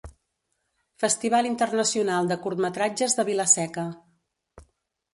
Festival Internacional de Curtmetratges de Vila-seca.